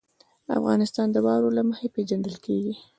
افغانستان د واوره له مخې پېژندل کېږي.